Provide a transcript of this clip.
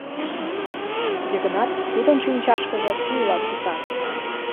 — Йыгнат Тудын шинчашкыже пийла кӱта.